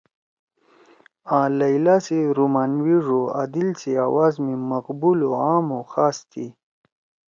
آں لیلٰی سی رومانوی ڙو عادل سی آواز می مقبول عام او خاص تھی۔